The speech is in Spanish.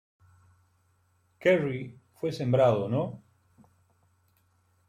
Querrey fue sembrado no.